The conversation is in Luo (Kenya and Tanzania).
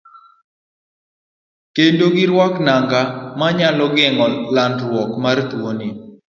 Kendo giruak nanga manyalo geng'o landruok mar tuoni.